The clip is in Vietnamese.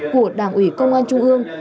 của đảng ủy công an trung ương